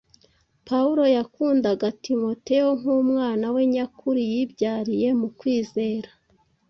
Pawulo yakundaga Timoteyo “nk’umwana we nyakuri yibyariye mu kwizera.